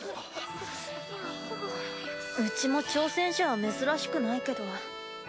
ウチも挑戦者は珍しくないけど。